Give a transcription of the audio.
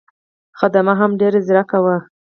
خدمه هم ډېره ځیرکه وه.